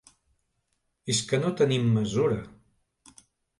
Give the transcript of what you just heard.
És que no tenim mesura.